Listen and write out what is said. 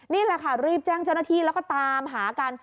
นี่แหละค่ะรีบแจ้งเจ้าหน้าที่แล้วก็ตามหากัน